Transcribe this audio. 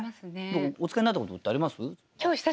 お使いになったことってあります？